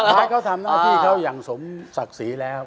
ให้เขาทำหน้าที่เขาอย่างสมศักดิ์ศรีแล้ว